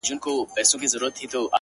د زهرو تر جام تریخ دی؛ زورور تر دوزخونو؛